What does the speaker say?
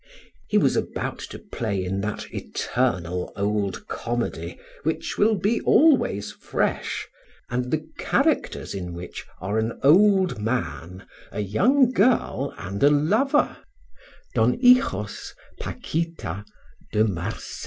He was about to play in that eternal old comedy which will be always fresh, and the characters in which are an old man, a young girl, and a lover: Don Hijos, Paquita, De Marsay.